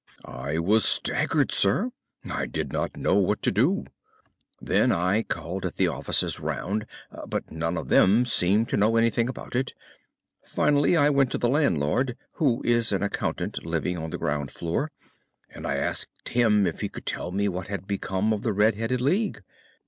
"I was staggered, sir. I did not know what to do. Then I called at the offices round, but none of them seemed to know anything about it. Finally, I went to the landlord, who is an accountant living on the ground floor, and I asked him if he could tell me what had become of the Red headed League.